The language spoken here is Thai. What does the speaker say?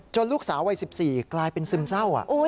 จนลูกสาวอายุ๑๔ปีกลายเป็นซึมเศร้าอ่ะ